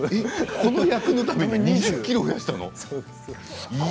この役のために２０ｋｇ増やしたの？